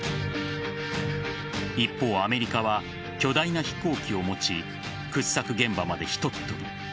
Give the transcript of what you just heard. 一方アメリカは巨大な飛行機を持ち掘削現場までひとっ飛び。